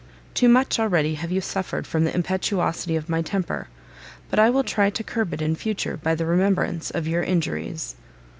Too much already have you suffered from the impetuosity of my temper, but I will try to curb it in future by the remembrance of your injuries."